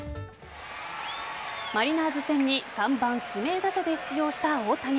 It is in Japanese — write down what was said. マリナーズ戦に３番・指名打者で出場した大谷。